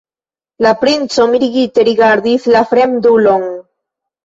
La princo mirigite rigardis la fremdulon.